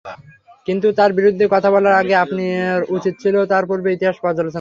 কিন্তু তার বিরুদ্ধে কথা বলার আগে আপনার উচিৎ ছিল তার পূর্ব ইতিহাস পর্যালোচনা করা।